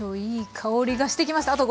いい香りがしてきました。